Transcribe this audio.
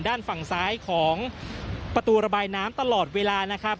ด้านฝั่งซ้ายของประตูระบายน้ำตลอดเวลานะครับ